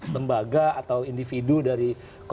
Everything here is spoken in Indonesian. lembaga atau individu dari